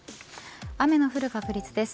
雨の降る確率です。